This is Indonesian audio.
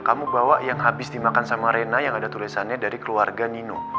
kamu bawa yang habis dimakan sama rena yang ada tulisannya dari keluarga nino